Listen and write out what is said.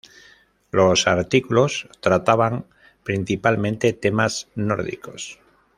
Los artículos trataban principalmente temas nórdicos.